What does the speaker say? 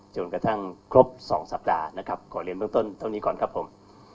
จนกระทั่งครบ๒สัปดาห์นะครับขอเรียนเบื้องต้นเท่านี้ก่อนครับผม